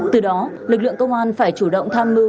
từ đó lực lượng công an phải chủ động tham mưu